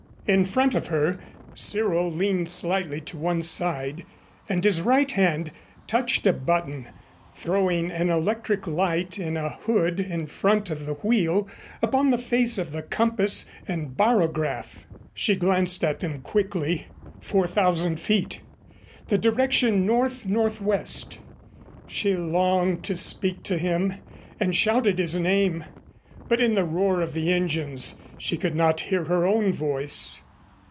In front of her Cyril leaned slightly to one side and his right hand touched a button, throwing an electric light in a hood in front of the wheel upon the face of the compass and barograph. She glanced at them quickly four thousand feet the direction north northwest. She longed to speak to him and shouted his name. But in the roar of the engines she could not hear her own voice.